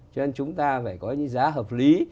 cho nên chúng ta phải có những giá hợp lý